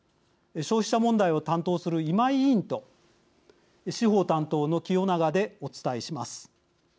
消費者問題を担当する今井委員と司法担当の清永でお伝えします。